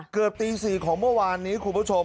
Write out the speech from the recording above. เกือบตี๔ของเมื่อวานนี้คุณผู้ชม